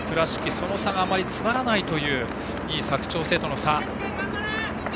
その差があまり詰まらないという２位、佐久長聖との差。